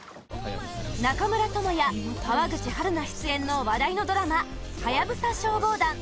中村倫也、川口春奈出演の話題のドラマ「ハヤブサ消防団」